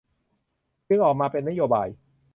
จึงออกมาเป็นนโยบาย